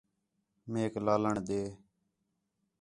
میک لالݨ ݙے